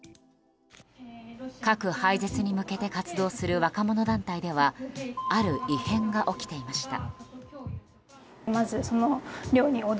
核廃絶に向けて活動する若者団体ではある異変が起きていました。